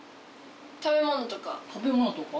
食べ物とか食べ物とか？